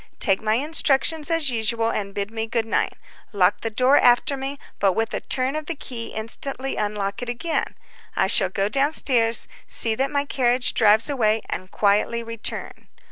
Take my instructions as usual, and bid me good night. Lock the door after me, but with a turn of the key instantly unlock it again. I shall go down stairs, see that my carriage drives away, and quietly return.